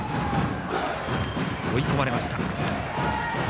追い込まれました。